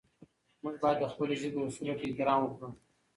موږ باید د خپلې ژبې اصولو ته احترام وکړو.